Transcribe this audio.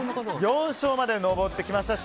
４勝まで上ってきました。